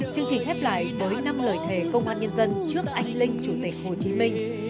chương trình khép lại với năm lời thề công an nhân dân trước anh linh chủ tịch hồ chí minh